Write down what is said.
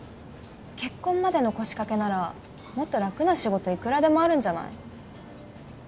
結婚までの腰掛けならもっと楽な仕事いくらでもあるんじゃない？